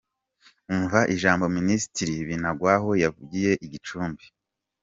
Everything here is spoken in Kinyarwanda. Umva ijambo Minisitiri Binagwaho yavugiye i Gicumbi.